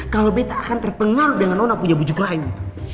kalo kita akan terpengaruh dengan nona punya bujuk rayu